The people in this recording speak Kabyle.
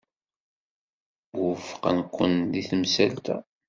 Wufqeɣ-kent deg temsalt-a.